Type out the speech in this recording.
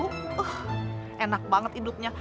uh enak banget hidupnya